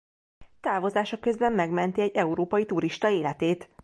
Távozása közben megmenti egy európai turista életét.